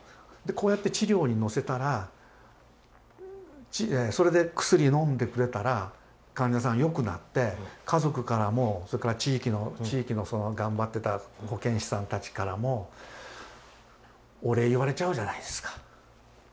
こうやって治療に乗せたらそれで薬のんでくれたら患者さんよくなって家族からもそれから地域のその頑張ってた保健師さんたちからもお礼言われちゃうじゃないですか。